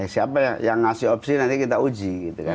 siapa yang ngasih opsi nanti kita uji